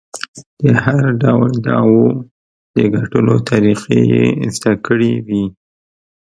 د هر ډول دعوو د ګټلو طریقې یې زده کړې وې.